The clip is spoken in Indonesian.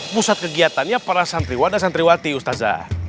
pusat kegiatannya para santriwan dan santriwati ustazah